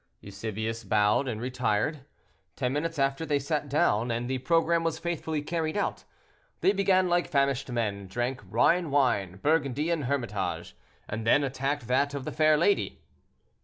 Eusebius bowed and retired. Ten minutes after, they sat down, and the programme was faithfully carried out. They began like famished men, drank Rhine wine, Burgundy and Hermitage, and then attacked that of the fair lady.